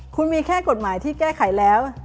คุณมีแค่กฎหมายที่แก้ไขแล้ว